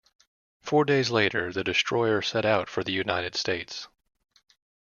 Four days later, the destroyer set out for the United States.